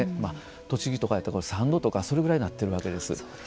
栃木とかだと３度とかそれぐらいになっているわけです。